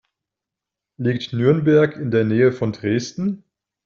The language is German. Liegt Nürnberg in der Nähe von Dresden?